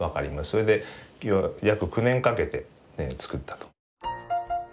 それで約９年かけて作ったと。